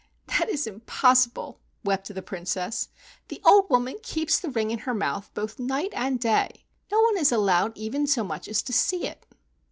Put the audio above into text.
"That is impossible," wept the Princess. "The old woman keeps the ring in her mouth both night and day. No one is allowed even so much as to see it."